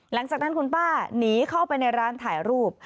หลังจากนั้นคุณป้าหนีเข้าไปในร้านถ่ายรูป